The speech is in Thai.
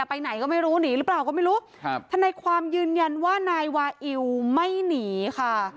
ไปไหนก็ไม่รู้หนีหรือเปล่าก็ไม่รู้ครับทนายความยืนยันว่านายวาอิวไม่หนีค่ะ